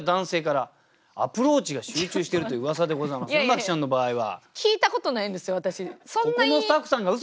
麻貴ちゃんの場合は。